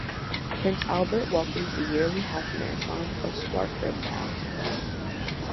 Prince Albert welcomes the yearly half marathon of Swartberg Pass.